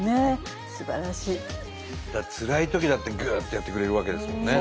つらいときだってグ！ってやってくれるわけですもんね。